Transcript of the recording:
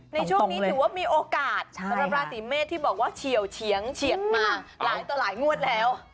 ในช่วงนี้ถือว่ามีโอกาสสำหรับราศีเมษที่บอกว่าเฉียวเฉียงเฉียดมาหลายต่อหลายงวดแล้ว